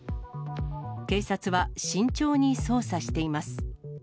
警察は慎重に捜査しています。